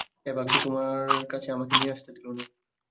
এ বাক্স তোমার কাছে আমাকে নিয়ে আসতে দিলে না!